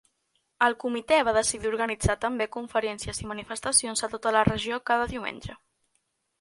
El Comitè va decidir organitzar també conferències i manifestacions a tota la regió cada diumenge.